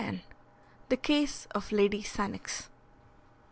THE CASE OF LADY SANNOX.